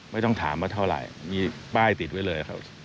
ไม่ต้องถามว่าเท่าไหร่มีป้ายติดไว้เลยครับ